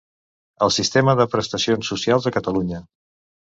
El sistema de prestacions socials a Catalunya.